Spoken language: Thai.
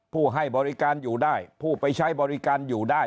ให้บริการอยู่ได้ผู้ไปใช้บริการอยู่ได้